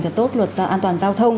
thật tốt luật an toàn giao thông